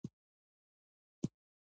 د غنم ګل د څه لپاره وکاروم؟